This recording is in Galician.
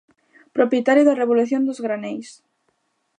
Propietario da Revolución dos Graneis.